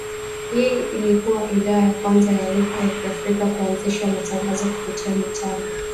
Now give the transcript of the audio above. Hii ilikua idhaa ya kwanza ya lugha ya Kiafrika kuanzisha matangazo kupitia mitambo